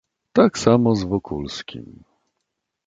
"Tak samo z Wokulskim."